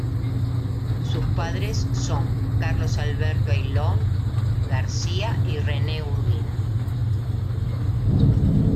Sus padres son Carlos Alberto Ayllón García y Renee Urbina.